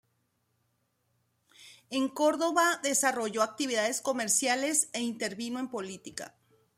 En Córdoba desarrolló actividades comerciales e intervino en política.